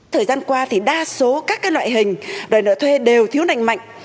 thời gian qua thì đa số các loại hình đòi nợ thuê đều thiếu nành mạnh